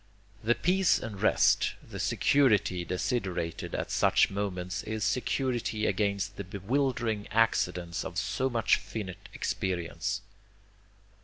The peace and rest, the security desiderated at such moments is security against the bewildering accidents of so much finite experience.